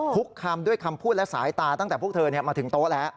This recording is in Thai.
คุกคำด้วยคำพูดและสายตาตั้งแต่พวกเธอมาถึงโต๊ะแล้ว